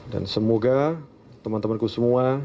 dan semoga teman temanku semua